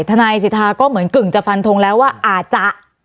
ทนายสิทธาก็เหมือนกึ่งจะฟันทงแล้วว่าอาจจะ